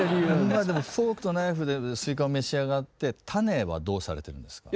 まあでもフォークとナイフでスイカを召し上がって種はどうされてるんですか？